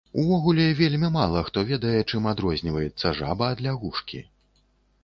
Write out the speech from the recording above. Увогуле вельмі мала хто ведае, чым адрозніваецца жаба ад лягушкі.